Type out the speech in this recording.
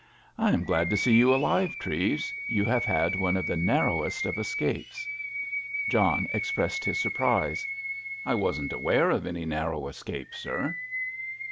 "I am glad to see you alive, Treves. You have had one of the narrowest of escapes." John expressed his surprise. "I wasn't aware of any narrow escape, sir."